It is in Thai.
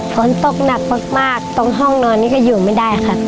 ฝนตกหนักมากตรงห้องนอนนี้ก็อยู่ไม่ได้ค่ะ